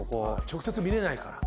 直接見れないから。